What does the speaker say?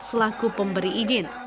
selaku pemberi izin